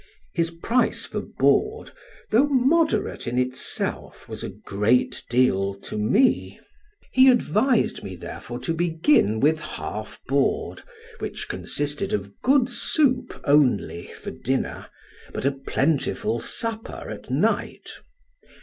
His price for board, though moderate in itself, was a great deal to me; he advised me, therefore, to begin with half board, which consisted of good soup only for dinner, but a plentiful supper at night.